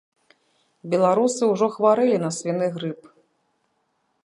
Беларусы ўжо хварэлі на свіны грып!